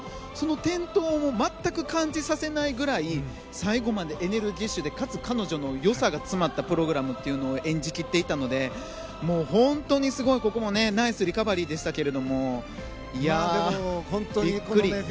その転倒も全く感じさせないぐらい最後までエネルギッシュでかつ彼女のよさが詰まったプログラムというのを演じ切っていたので本当にすごいここもナイスリカバリーでしたがいやあ、びっくり。